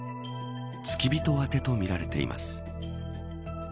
付き人宛てとみられます。